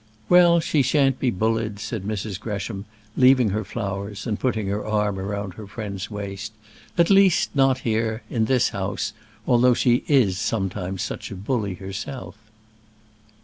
"Well, she shan't be bullied," said Mrs. Gresham, leaving her flowers, and putting her arm round her friend's waist; "at least, not here, in this house, although she is sometimes such a bully herself."